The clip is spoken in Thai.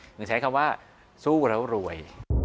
หรือใช้คำว่าสู้แล้วรวย